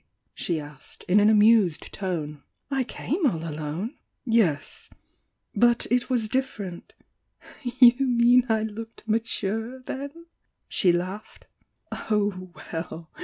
she asked, in an amused tone— "I came all alone!" "Yes — ^but it was different " "You meat I looked 'mature,' then?" she laughed. "Oh, well!